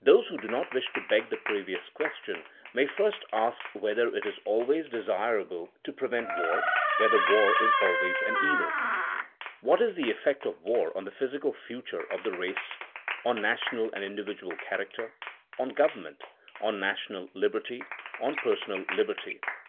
Those who do not wish to beg the previous question may first ask whether it is always desirable to prevent war, whether war is always an evil. What is the effect of war on the physical future of the race? on national and individual character? on government? on national liberty? on personal liberty?